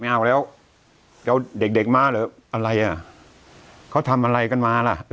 ไม่เอาแล้วเขาเด็กมาเหรออะไรอ่ะเขาทำอะไรกันมาล่ะ